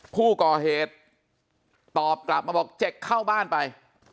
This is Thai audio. ผู้ก่อเหตุตอบกลับมาบอกเจ็กเข้าบ้านไป